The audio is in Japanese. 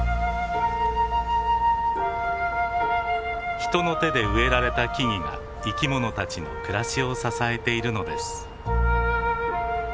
人の手で植えられた木々が生き物たちの暮らしを支えているのです。